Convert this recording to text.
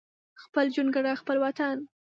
خپل جونګړه خپل وطن